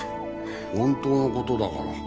本当の事だから。